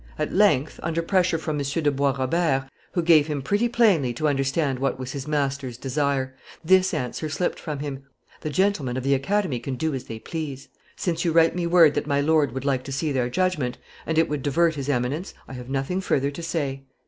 "At length, under pressure from M. de Bois Robert, who gave him pretty plainly to understand what was his master's desire, this answer slipped from him: 'The gentlemen of the Academy can do as they please; since you write me word that my Lord would like to see their judgment, and it would divert his Eminence, I have nothing further to say.